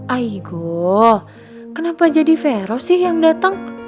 aigoo kenapa jadi fero sih yang dateng